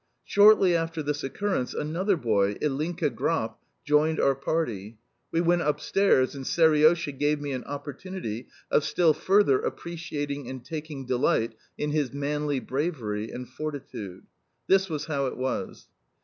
Shortly after this occurrence another boy, Ilinka Grap, joined our party. We went upstairs, and Seriosha gave me an opportunity of still further appreciating and taking delight in his manly bravery and fortitude. This was how it was.